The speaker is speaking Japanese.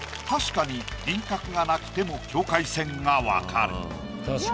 確かに輪郭がなくても境界線がわかる。